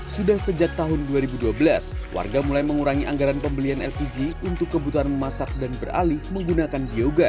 sudah sejak tahun dua ribu dua belas warga mulai mengurangi anggaran pembelian